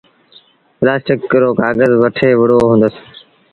پلآسٽڪ رو ڪآگز وٺي وُهڙو هُندس۔